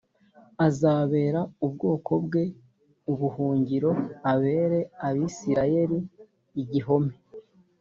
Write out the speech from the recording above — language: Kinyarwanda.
azabera ubwoko bwe ubuhungiro abere abisirayeli igihome